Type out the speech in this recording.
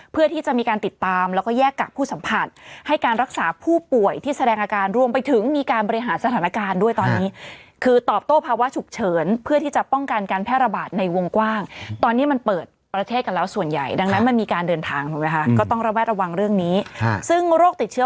เพื่อที่จะมีการติดตามแล้วก็แยกกักผู้สัมผัสให้การรักษาผู้ป่วยที่แสดงอาการรวมไปถึงมีการบริหารสถานการณ์ด้วยตอนนี้คือตอบโต้ภาวะฉุกเฉินเพื่อที่จะป้องกันการแพร่ระบาดในวงกว้างตอนนี้มันเปิดประเทศกันแล้วส่วนใหญ่ดังนั้นมันมีการเดินทางถูกไหมคะก็ต้องระแวดระวังเรื่องนี้ซึ่งโรคติดเชื้อ